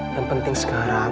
yang penting sekarang